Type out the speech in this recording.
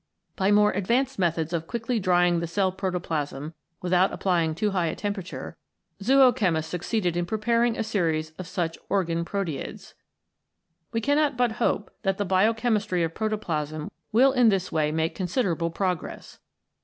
By more advanced methods of quickly drying the cell protoplasm without applying too high a temperature, zoochemists succeeded in preparing a series of such Organ Proteids. We cannot but hope that the bio chemistry of protoplasm will in this way make con siderable progress.